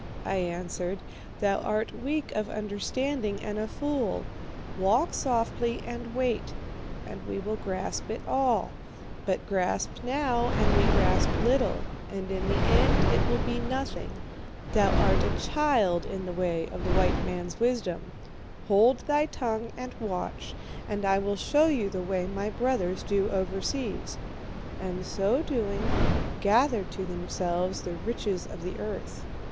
I answered, 'thou art weak of understanding and a fool. Walk softly and wait, and we will grasp it all. But grasp now, and we grasp little, and in the end it will be nothing. Thou art a child in the way of the white man's wisdom. Hold thy tongue and watch, and I will show you the way my brothers do overseas, and, so doing, gather to themselves the riches of the earth.